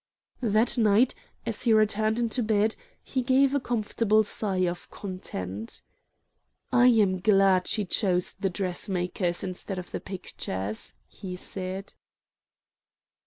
That night, as he turned into bed, he gave a comfortable sigh of content. "I am glad she chose the dressmakers instead of the pictures," he said.